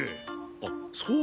あっそうだ！